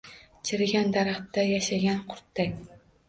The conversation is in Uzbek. Chirigan daraxtda yashagan qurtday